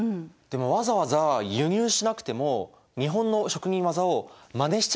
でもわざわざ輸入しなくても日本の職人技をまねしちゃえばよくないですか？